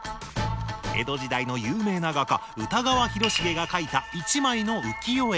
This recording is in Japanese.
江戸時代の有名な画家歌川広重が描いた１枚の浮世絵。